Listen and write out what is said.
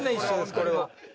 これは。